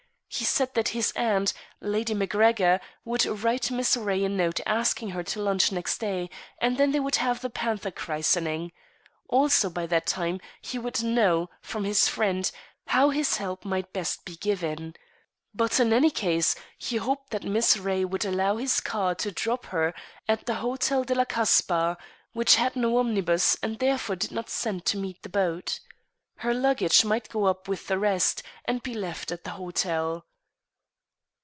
He said that his aunt, Lady MacGregor, would write Miss Ray a note asking her to lunch next day, and then they would have the panther christening. Also by that time he would know, from his friend, how his help might best be given. But in any case he hoped that Miss Ray would allow his car to drop her at the Hotel de la Kasbah, which had no omnibus and therefore did not send to meet the boat. Her luggage might go up with the rest, and be left at the hotel.